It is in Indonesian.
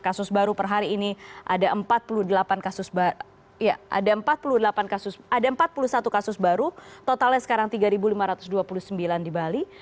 kasus baru per hari ini ada empat puluh satu kasus baru totalnya sekarang tiga lima ratus dua puluh sembilan di bali